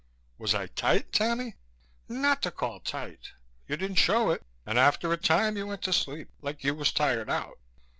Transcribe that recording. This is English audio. "Was I tight, Tammy?" "Not to call tight. You didn't show it, and after a time you went to sleep, like you was tired out.